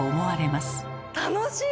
楽しい！